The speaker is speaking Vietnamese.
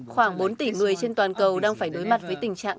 khoảng bốn tỷ người trên toàn cầu đang phải đối mặt với tình trạng